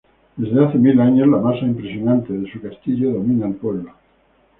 Desde hace mil años, la masa impresionante de su castillo domina el pueblo.